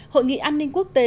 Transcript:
hội nghị an ninh quốc tế